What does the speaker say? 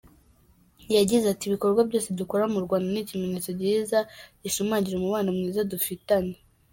Yagize ati “Ibikorwa byose dukora mu Rwanda ni ikimenyetso cyiza gishimangira umubano mwiza dufitanye.